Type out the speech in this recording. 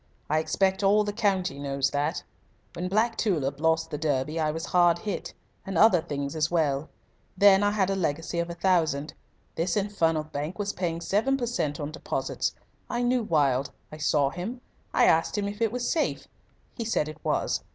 I expect all the county knows that. When Black Tulip lost the Derby I was hard hit. And other things as well. Then I had a legacy of a thousand. This infernal bank was paying 7 per cent. on deposits. I knew Wilde. I saw him. I asked him if it was safe. He said it was.